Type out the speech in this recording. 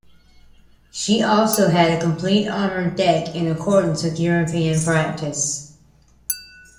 She also had a complete armored deck in accordance with European practice.